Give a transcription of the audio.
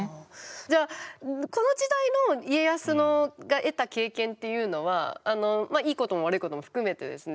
じゃあこの時代の家康が得た経験っていうのはまあいいことも悪いことも含めてですね